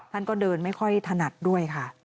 ท่านก็เดินไม่ค่อยถนัดด้วยค่ะ